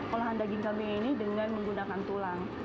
olahan daging kambing ini dengan menggunakan tulang